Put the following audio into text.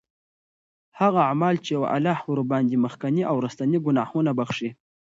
هغه أعمال چې الله ورباندي مخکيني او وروستنی ګناهونه بخښي